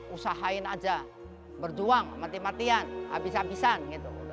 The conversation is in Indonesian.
usahain aja berjuang mati matian habis habisan gitu